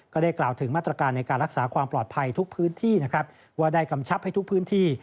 ก็ได้กล่าวถึงมาตรการในการรักษาความปลอดภัยทุกพื้นที่